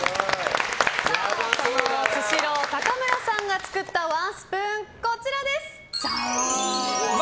スシロー、高村さんが作ったワンスプーンはこちら。